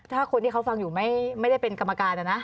ถ้าคนที่เขาฟังอยู่ไม่ได้เป็นกรรมการนะนะ